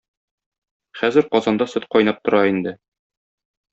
Хәзер казанда сөт кайнап тора инде.